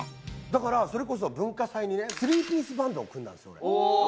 だからそれこそ文化祭にねスリーピースバンドを組んだんですよ俺。